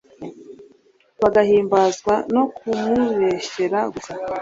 bagahimbazwa no kumubeshyera gusa